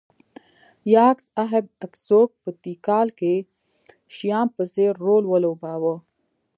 یاکس اهب اکسوک په تیکال کې شیام په څېر رول ولوباوه